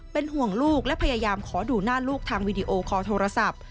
เป็นห่วงลูกและพยายามขอดูหน้าลูกทางวิดีโอคอลโทรศัพท์